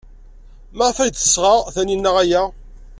Maɣef ay d-tesɣa Taninna aya?